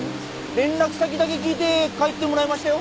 連絡先だけ聞いて帰ってもらいましたよ。